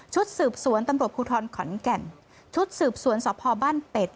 ชุดสืบสวนตำระปุทธรขอนแก่นชุดสืบสวนสอบพอบ้านเป็ด